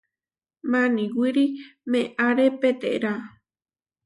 Maniwíri meʼáre peterá.